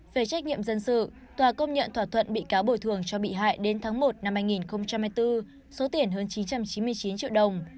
về trách nhiệm dân sự tòa công nhận thỏa thuận bị cáo bồi thường cho bị hại đến tháng một năm hai nghìn hai mươi bốn số tiền hơn chín trăm chín mươi chín triệu đồng